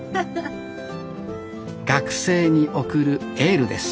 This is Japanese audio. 学生に送るエールです